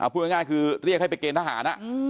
พูดง่ายคือเรียกให้ไปเกณฑหาร